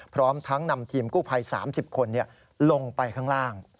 พร้อมทั้งนำทีมกู้ภัย๓๐คนลงไปข้างล่าง